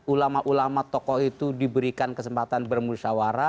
ulama ulama tokoh itu diberikan kesempatan bermusyawara